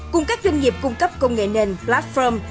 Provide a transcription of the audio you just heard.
cùng các doanh nghiệp cung cấp công nghệ nền platform